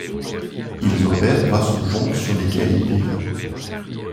Ils opèrent grâce aux jonques sur lesquelles ils vivent.